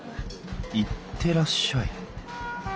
行ってらっしゃい？